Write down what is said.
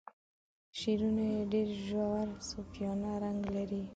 شعرونه یې ډیر ژور صوفیانه رنګ لري.